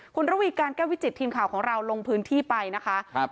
คุณระวีการแก้ววิจิตทีมข่าวของเราลงพื้นที่ไปนะคะครับ